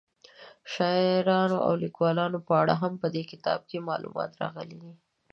د شاعرانو او لیکوالو په اړه هم په دې کتاب کې معلومات راغلي دي.